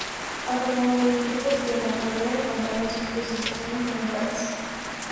Ha formado varios grupos que en la actualidad acompañan sus presentaciones en el país.